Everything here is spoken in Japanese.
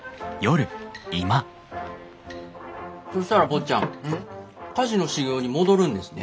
そしたら坊ちゃん菓子の修業に戻るんですね？